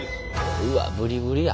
うわっブリブリや。